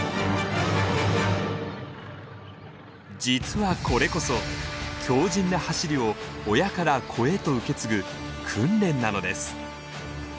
実はこれこそ強じんな走りを親から子へと受け継ぐ訓練なのです。